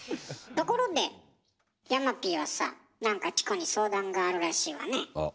ところで山Ｐはさあ何かチコに相談があるらしいわね。